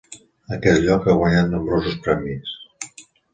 Aquest lloc ha guanyat nombrosos premis.